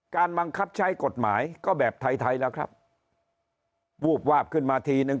บังคับใช้กฎหมายก็แบบไทยไทยแล้วครับวูบวาบขึ้นมาทีนึง